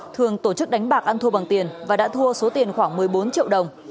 thường tổ chức đánh bạc ăn thua bằng tiền và đã thua số tiền khoảng một mươi bốn triệu đồng